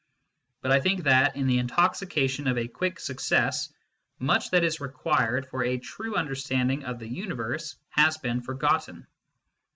But I think that, in the intoxication of a quick success, much that is required for a true understanding of the universe has been forgotten.